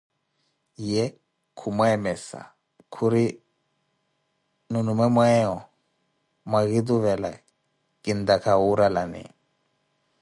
Ye khu mwemessa, khuri nunu nwe mweyo mwakivela kintaaka wurralani.